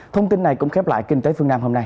thông tin này cũng khép lại kinh tế phương nam hôm nay